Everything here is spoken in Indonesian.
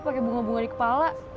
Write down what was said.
pakai bunga bunga di kepala